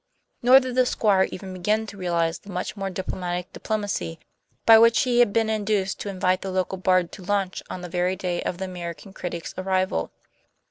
Nor did the Squire even begin to realize the much more diplomatic diplomacy by which he had been induced to invite the local bard to lunch on the very day of the American critic's arrival.